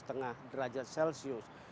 itu sebagaimana disepakati di dalam pembangunan